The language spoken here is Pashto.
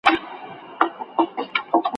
ژبه د پوهې د لېږد وسيله ده.